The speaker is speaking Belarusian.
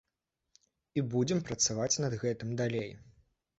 І будзем працаваць над гэтым далей.